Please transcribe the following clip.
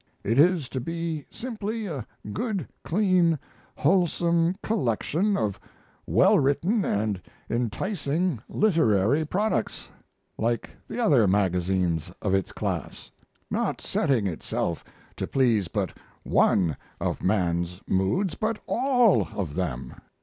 It is to be simply a good, clean, wholesome collection of well written & enticing literary products, like the other magazines of its class; not setting itself to please but one of man's moods, but all of them.